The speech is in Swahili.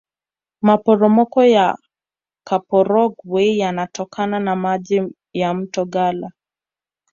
maporomoko ya kaporogwe yanatokana na maji ya mto kala